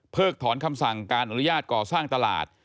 ถอนคำสั่งการอนุญาตก่อสร้างตลาด